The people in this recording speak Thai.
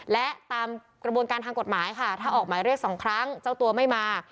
และตามกระบวนการทางกฎหมายค่ะถ้าออกหมายเรียกสองครั้งเจ้าตัวไม่มา